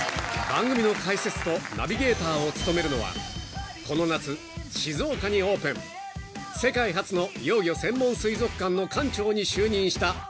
［番組の解説とナビゲーターを務めるのはこの夏静岡にオープン世界初の幼魚専門水族館の館長に就任した］